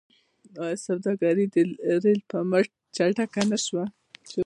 آیا سوداګري د ریل په مټ چټکه نشوه؟